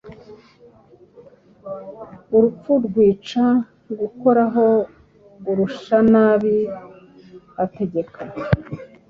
Urupfurwica gukoraho Urushanabi ategeka